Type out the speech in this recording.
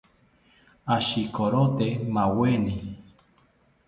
Ashikorote maaweni